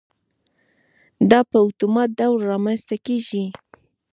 دا په اتومات ډول رامنځته کېږي.